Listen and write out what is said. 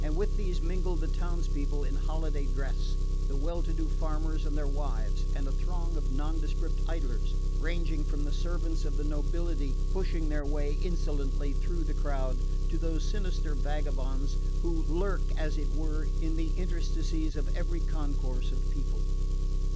With these mingled the towns people in holiday dress, the well to do farmers and their wives, and a throng of nondescript idlers, ranging from the servants of the nobility pushing their way insolently through the crowd, to those sinister vagabonds who lurk, as it were, in the interstices of every concourse of people.